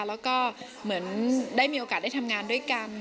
แล้วก็เหมือนได้มีโอกาสได้ทำงานด้วยกัน